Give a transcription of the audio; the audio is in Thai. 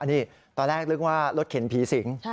อันนี้ตอนแรกเริ่มคิดว่ารถเข็นผีสิง